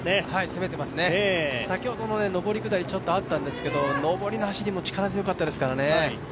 攻めてますね、先ほどの上り下りちょっとあったんですけど、上りの走りも力強かったですからね。